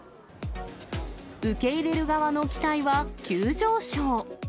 受け入れる側の期待は急上昇。